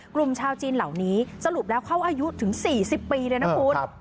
กลุ่มชาวจีนเหล่านี้สรุปแล้วเขาอายุถึง๔๐ปีเลยนะคุณ